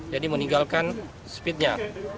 jadi meninggalkan speednya